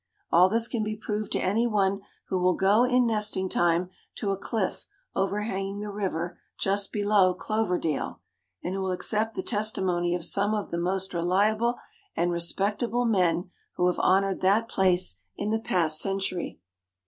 All this can be proved to any one who will go in nesting time to a cliff overhanging the river just below Cloverdale, and who will accept the testimony of some of the most reliable and respectable men who have honored that place in the past century.